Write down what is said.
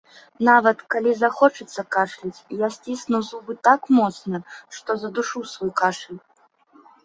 Нават, калі захочацца кашляць, я сцісну зубы так моцна, што задушу свой кашаль.